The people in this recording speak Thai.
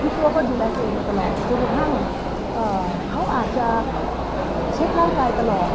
ตัวก็ดูแลตัวเองมาตลอดจนกระทั่งเขาอาจจะเช็คร่างกายตลอด